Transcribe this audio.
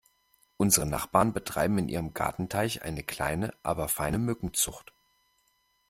Unsere Nachbarn betreiben in ihrem Gartenteich eine kleine aber feine Mückenzucht.